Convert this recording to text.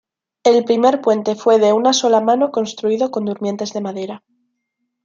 El primer puente fue de una sola mano construido con durmientes de madera.